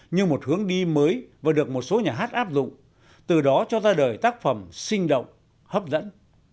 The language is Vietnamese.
như một hướng đi mới và được một số nhà hát áp dụng từ đó cho ra đời tác phẩm sinh động hấp dẫn